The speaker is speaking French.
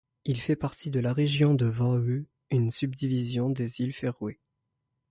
Il fait partie de la région de Vågø, une subdivision des îles Féroé.